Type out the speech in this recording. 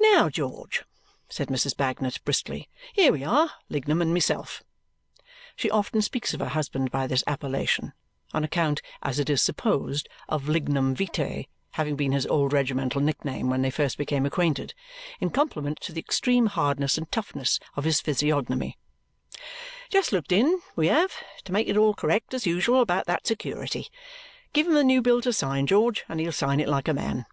"Now, George," said Mrs. Bagnet briskly, "here we are, Lignum and myself" she often speaks of her husband by this appellation, on account, as it is supposed, of Lignum Vitae having been his old regimental nickname when they first became acquainted, in compliment to the extreme hardness and toughness of his physiognomy "just looked in, we have, to make it all correct as usual about that security. Give him the new bill to sign, George, and he'll sign it like a man."